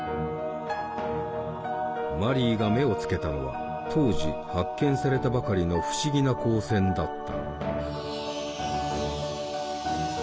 マリーが目をつけたのは当時発見されたばかりの不思議な光線だった。